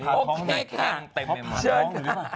โอเคแม่งขนโมกแค่ข้างเต็มเลย